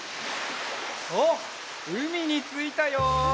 あっうみについたよ！